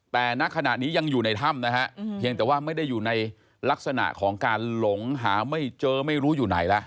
แต่ณขณะนี้ยังอยู่ในถ้ำนะฮะเพียงแต่ว่าไม่ได้อยู่ในลักษณะของการหลงหาไม่เจอไม่รู้อยู่ไหนแล้ว